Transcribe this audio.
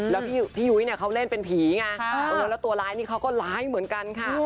แล้วพี่ยุ้ยเนี่ยเขาเล่นเป็นผีไงแล้วตัวร้ายนี่เขาก็ร้ายเหมือนกันค่ะ